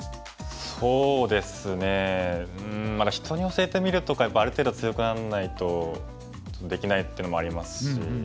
そうですね「人に教えてみる」とかやっぱりある程度強くなんないとできないっていうのもありますし。